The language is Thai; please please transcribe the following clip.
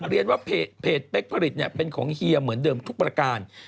เรียนว่าเพจเป๊กผลิตเป็นของเฮียเหมือนเดิมทุกประการ